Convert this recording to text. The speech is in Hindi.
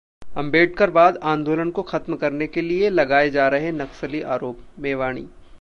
अंबेडकरवाद आंदोलन को खत्म करने के लिए लगाए जा रहे नक्सली आरोपः मेवाणी